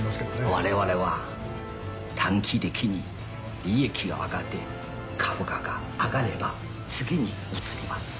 我々は短期的に利益を上げて株価が上がれば次に移ります。